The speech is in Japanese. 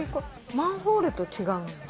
マンホールと違うんだよね。